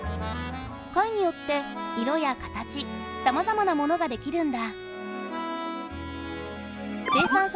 貝によって色や形さまざまなものができるんだ。